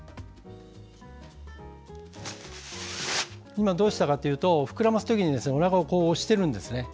今、どうしたかというと膨らますときにおなかを押しているんですね。